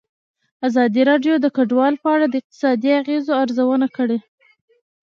ازادي راډیو د کډوال په اړه د اقتصادي اغېزو ارزونه کړې.